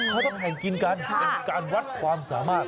เขาต้องแข่งกินกันเป็นการวัดความสามารถ